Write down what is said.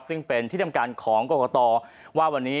ซึ่งเป็นที่ในของกรกฎาว่าวันนี้